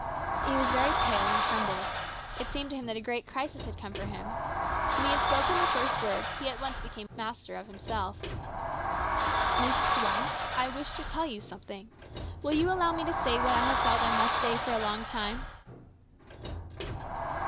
He was very pale, and trembled. It seemed to him that a great crisis had come for him. When he had spoken the first word he at once became more master of himself. " Miss Dwight, I wish to tell you something. Will you allow me to say what I have felt I must say for a long time